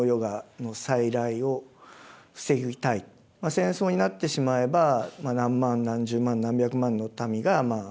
戦争になってしまえば何万何十万何百万の民が死ぬかもしれない。